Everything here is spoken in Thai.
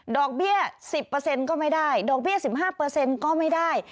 อกเบี้ย๑๐ก็ไม่ได้ดอกเบี้ย๑๕ก็ไม่ได้